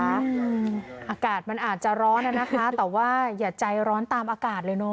อากาศมันอาจจะร้อนนะคะแต่ว่าอย่าใจร้อนตามอากาศเลยเนอะ